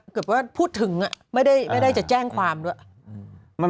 เกือบว่าพูดถึงไม่ได้จะแจ้งความด้วย